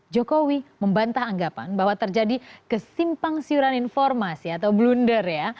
jokowi membantah anggapan bahwa terjadi kesimpang siuran informasi atau blunder ya